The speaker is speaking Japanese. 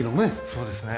そうですね。